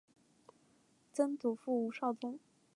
曾祖父吴绍宗。